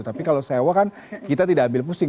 tapi kalau sewa kan kita tidak ambil pusing